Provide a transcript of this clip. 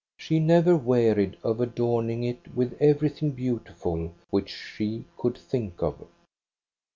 She never wearied of adorn ing it with everything beautiful which she could think of.